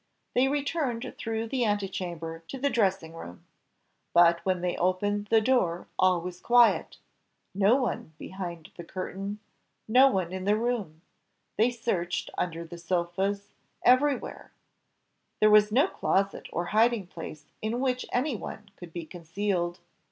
They returned through the ante chamber to the dressing room. But when they opened the door, all was quiet no one behind the curtain, no one in the room they searched under the sofas, everywhere; there was no closet or hiding place in which any one could be concealed.